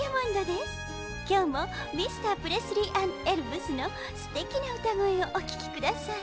きょうもミスタープレスリー＆エルヴスのすてきなうたごえをおききください。